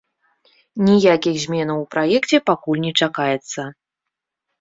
Ніякіх зменаў у праекце пакуль не чакаецца.